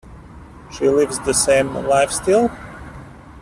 She lives the same life still?